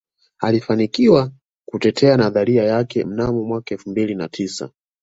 Alifanikiwa kutetea nadharia yake mnamo mwaka elfu mbili na tisa